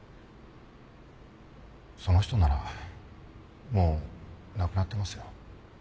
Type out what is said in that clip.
その人ならもう亡くなってますよ。